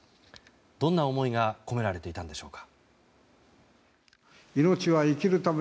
どんな思いが込められていたのでしょうか。